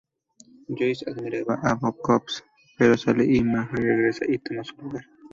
Joyce admiraba a Buzzcocks, pero sale y Maher regresa y toma su lugar.